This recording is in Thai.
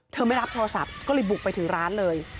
ไม่รับโทรศัพท์ก็เลยบุกไปถึงร้านเลย